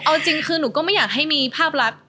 เอาจริงก็ก็หนูก็ไม่อยากให้มีภาพรัก